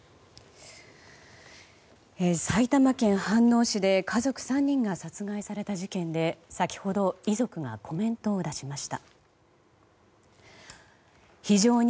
埼玉県飯能市で家族３人が殺害された事件で先ほど、遺族がコメントを出しました。